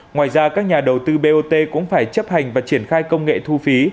ngoài ra các nhà đầu tư bot cũng phải chấp hành và triển khai công nghệ thu phí